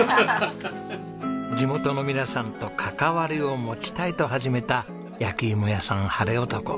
地元の皆さんと関わりを持ちたいと始めた焼き芋屋さんハレオトコ。